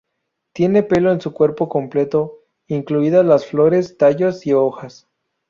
Tienen pelo en su cuerpo completo, incluidas las flores, tallos y hojas.